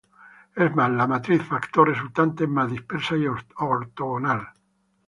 Es más, la matriz factor resultante es más dispersa y ortogonal.